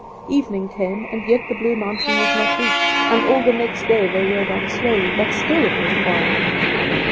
Evening came, and yet the blue mountain was not reached, and all the next day they rode on slowly, but still it was far off.